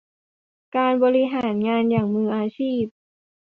การบริหารงานอย่างมืออาชีพ